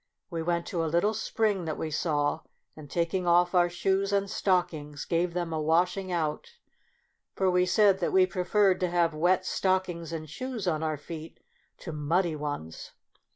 We went to a little spring that we saw, and taking off our shoes and stockings, gave them a washing out, for we said that we preferred to have wet stockings and shoes on our feet to mud dy ones.